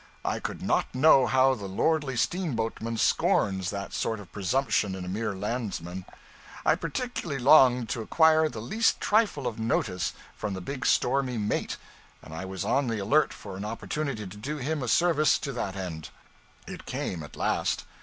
I could not know how the lordly steamboatman scorns that sort of presumption in a mere landsman. I particularly longed to acquire the least trifle of notice from the big stormy mate, and I was on the alert for an opportunity to do him a service to that end. It came at last.